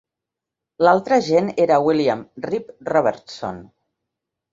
L'altre agent era William "Rip" Robertson.